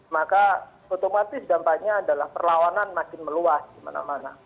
maka otomatis dampaknya adalah perlawanan makin meluas di mana mana